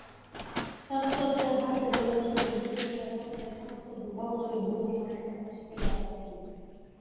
সাজসজ্জায় হাস্যে পরিহাসে বিকশিত হইয়া সংসারের সমস্ত দুর্ভাবনাকে ভূপতি মনের একপাশে ঠেলিয়া রাখিয়া দিল।